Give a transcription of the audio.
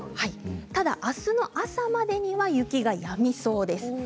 ただそれが朝までには雪がやみそうです。